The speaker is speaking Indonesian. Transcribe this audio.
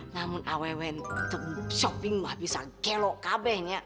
namun awe weh shopping mah bisa gelok kabehnya